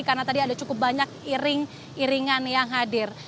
karena tadi ada cukup banyak iring iringan yang hadir